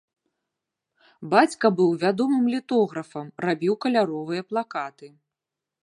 Бацька быў вядомым літографам, рабіў каляровыя плакаты.